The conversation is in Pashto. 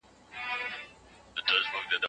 تاریخي پېښې په کتابونو کې ثبت شوي دي.